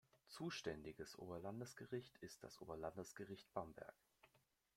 Zuständiges Oberlandesgericht ist das Oberlandesgericht Bamberg.